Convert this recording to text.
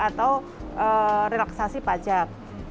atau relaksasi pajak